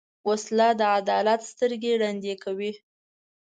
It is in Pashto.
وسله د عدالت سترګې ړندې کوي